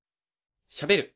しゃべる！